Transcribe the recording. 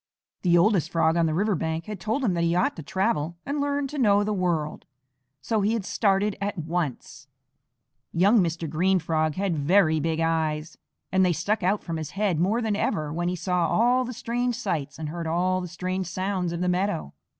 The oldest Frog on the river bank had told him that he ought to travel and learn to know the world, so he had started at once. Young Mr. Green Frog had very big eyes, and they stuck out from his head more than ever when he saw all the strange sights and heard all the strange sounds of the meadow.